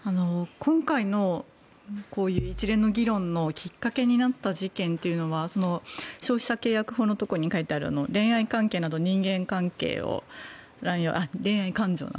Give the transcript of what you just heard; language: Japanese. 今回のこういう一連の議論のきっかけになった事件というのは消費者契約法のところに書いてある恋愛感情など人間関係を乱用と。